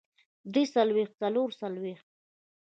درې څلوېښت څلور څلوېښت